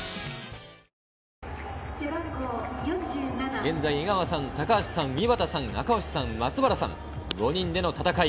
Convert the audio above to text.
現在、江川さん、高橋さん、井端さん、赤星さん、松原さん、５人での戦い。